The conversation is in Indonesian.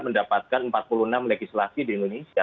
mendapatkan empat puluh enam legislasi di indonesia